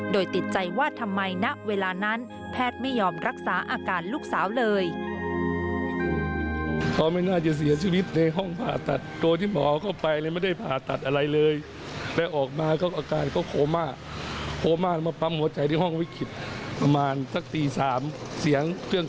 โดยติดใจว่าทำไมณเวลานั้นแพทย์ไม่ยอมรักษาอาการลูกสาวเลย